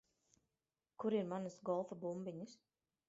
Kur ir manas golfa bumbiņas?